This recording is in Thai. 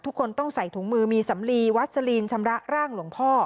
ทุกคนต้องใส่ถุงมือมีสำลีวัสลีนชำระร่างหลวงพ่อ